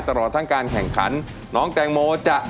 ยากค่ะโอ้โฮ